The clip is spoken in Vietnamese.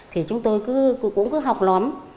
thì chúng tôi cũng cứ học lắm